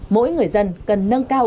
mỗi người dân cần nâng cao